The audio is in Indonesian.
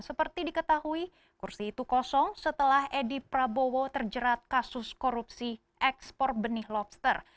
seperti diketahui kursi itu kosong setelah edi prabowo terjerat kasus korupsi ekspor benih lobster